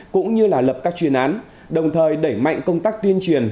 cũng như là lập các chuyên án đồng thời đẩy mạnh công tác tuyên truyền